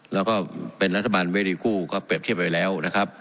แล้วก็เป็นรัฐบาลเวทีคู่ก็เปรียบเทียบไปแล้วนะครับ